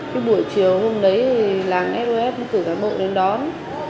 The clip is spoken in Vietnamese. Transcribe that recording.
cái buổi chiều hôm đấy thì làng sos cử cán bộ đến đón